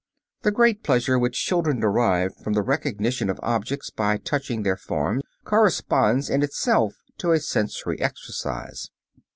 The great pleasure which the children derive from the recognition of objects by touching their form corresponds in itself to a sensory exercise.